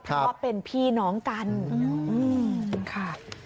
เพราะว่าเป็นพี่น้องกันค่ะ